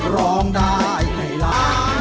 ร้องได้ให้ล้าน